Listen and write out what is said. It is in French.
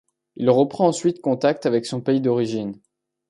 Il reprend ensuite contact avec son pays d'origine.